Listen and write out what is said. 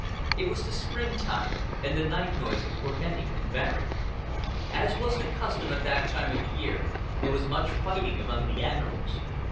It was the spring time, and the night noises were many and varied. As was the custom at that time of the year, there was much fighting among the animals.